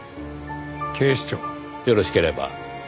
よろしければ。